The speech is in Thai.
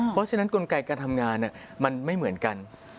เพราะฉะนั้นกลไกการทำงานมันไม่เหมือนกัน